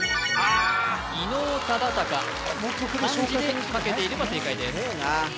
伊能忠敬漢字で書けていれば正解です